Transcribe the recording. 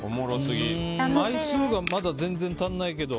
枚数がまだ全然足りないけど。